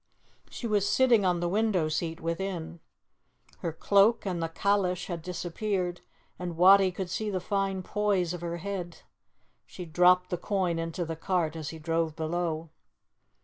She was sitting on the window seat within. Her cloak and the calash had disappeared, and Wattie could see the fine poise of her head. She dropped the coin into the cart as he drove below.